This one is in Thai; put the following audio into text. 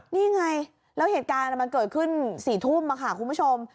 นี่ไงแล้วเหตุการณ์มันเกิดขึ้น๔ทุ่มค่ะคุณผู้ชม